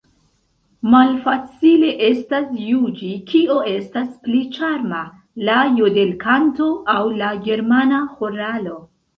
Malfacile estas juĝi, kio estas pli ĉarma, la jodelkanto aŭ la germana ĥoralo.